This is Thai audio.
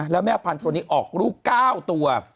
แล้วแม่พันธุ์ตัวนี้ออกลูก๙ตัว